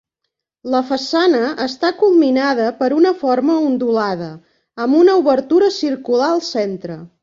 La façana està culminada per una forma ondulada, amb una obertura circular al centre.